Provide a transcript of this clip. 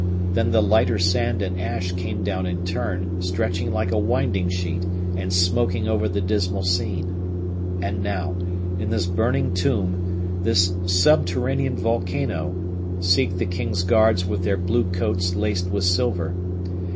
Then the lighter sand and ash came down in turn, stretching like a winding sheet and smoking over the dismal scene. And now, in this burning tomb, this subterranean volcano, seek the king's guards with their blue coats laced with silver.